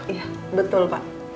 iya betul pak